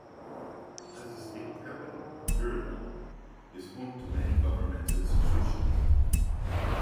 As the state capital, Dehradun is home to many government institutions.